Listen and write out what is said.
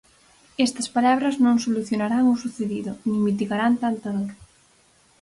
Estas palabras non solucionarán o sucedido, nin mitigarán tanta dor.